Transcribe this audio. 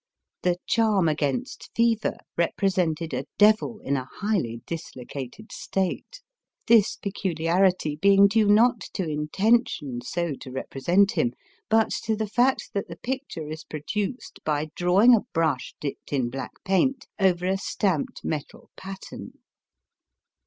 The charm against fever repre sented a devil in a highly dislocated state, this peculiarity being due not to intention so to represent him, but to the fact that the picture is produced by drawing a brush dipped in black paint over a stamped metal pattern.